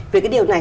về cái điều này